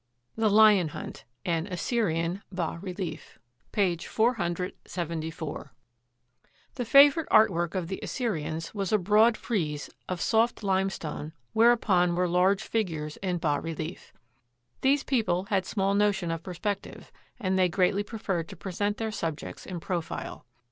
THE LION HUNT THE LION HUNT {An Assyrian bas relief) The favorite art work of the Assyrians was a broad frieze of soft limestone whereon were large figures in bas relief. These people had small notion of perspective, and they greatly preferred to present their subjects in profile.